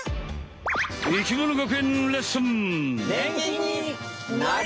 生きもの学園レッスン！